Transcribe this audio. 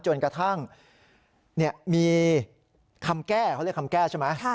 จนกระทั่งมีคำแก้เขาเรียกคำแก้ใช่ไหม